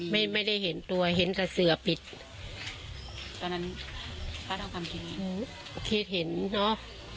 ไม่ไม่ได้เห็นตัวเห็นแต่เสือปิดตอนนั้นพระต้องทำทีนี้เคธเห็นเนอะ